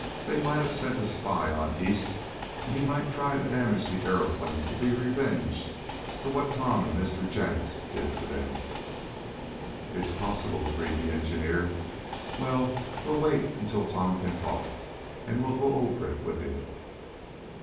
They might have sent a spy on East, and he might try to damage the aeroplane to be revenged for what Tom and Mr. Jenks did to them." "It's possible," agreed the engineer. "Well, we'll wait until Tom can talk, and we'll go over it with him."